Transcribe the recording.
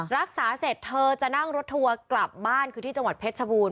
รักษาเสร็จเธอจะนั่งรถทัวร์กลับบ้านคือที่จังหวัดเพชรชบูร